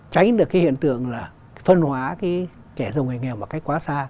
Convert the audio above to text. tránh được cái hiện tượng là phân hóa cái kẻ dòng người nghèo một cách quá xa